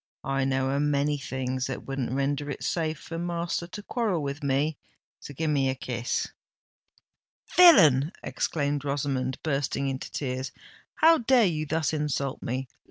I know a many things that wouldn't render it safe for master to quarrel with me. So give me a kiss——" "Villain!" exclaimed Rosamond, bursting into tears: "how dare you thus insult me?